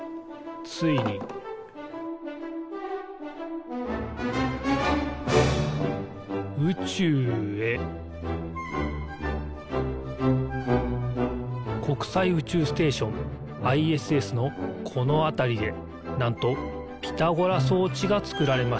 ついに宇宙へ国際宇宙ステーションＩＳＳのこのあたりでなんとピタゴラそうちがつくられました。